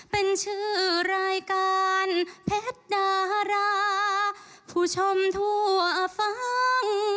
เป็นชื่อรายการเพชรดาราผู้ชมทั่วฟัง